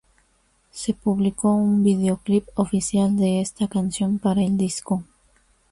Se publicó un Videoclip oficial de esta canción para el disco.